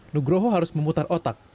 nugroho harus memutar otak